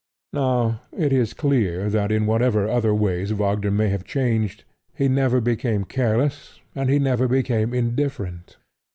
Now it is clear that in whatever other ways Wagner may have changed, he never became careless and he never became indifferent.